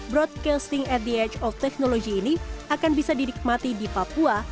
broadcasting at the age of technology ini akan bisa didikmati di papua